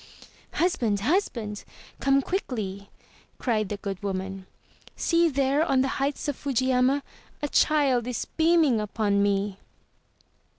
"Husband, husband, come quickly,*' cried the good woman. "See there on the heights of Fujiyama a child is beaming upon me."